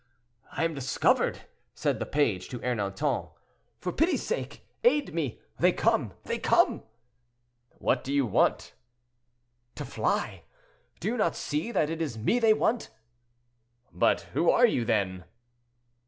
"I am discovered!" said the page to Ernanton. "For pity's sake, aid me! they come, they come!" "What do you want?" "To fly! Do you not see that it is me they want?" "But who are you, then?"